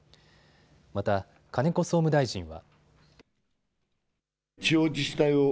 また金子総務大臣は。